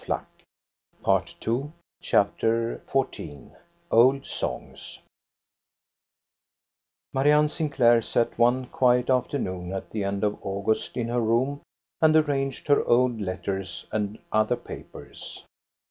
OLD SONGS 355 CHAPTER XIV OLD SONGS Marianne Sinclair sat one quiet afternoon at the end of August in her room and arranged her old letters and other papers.